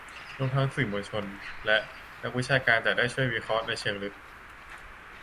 รวมทั้งสื่อมวลชน และ นักวิชาการจะได้ช่วยวิเคราะห์ในเชิงลึก